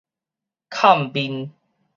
崁面